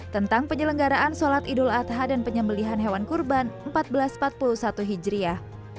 tentang penyelenggaraan sholat idul adha dan penyembelihan hewan kurban seribu empat ratus empat puluh satu hijriah